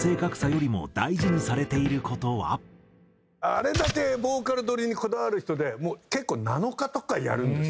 あれだけヴォーカル録りにこだわる人でもう結構７日とかやるんですよ。